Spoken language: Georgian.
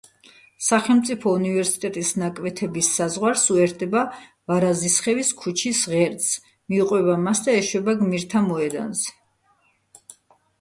სახელმწიფო უნივერსიტეტის ნაკვეთების საზღვარს, უერთდება ვარაზისხევის ქუჩის ღერძს, მიუყვება მას და ეშვება გმირთა მოედანზე.